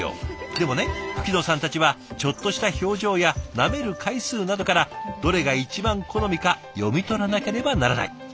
でもね吹野さんたちはちょっとした表情やなめる回数などからどれが一番好みか読み取らなければならない。